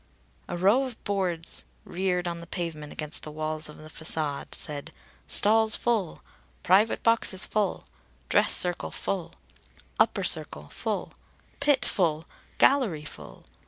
A row of boards reared on the pavement against the walls of the façade said: "Stalls Full," "Private Boxes Full," "Dress Circle Full," "Upper Circle Full," "Pit Full," "Gallery Full."